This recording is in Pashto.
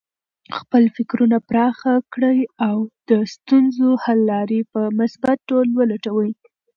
خپل فکرونه پراخه کړه او د ستونزو حل لارې په مثبت ډول ولټوه.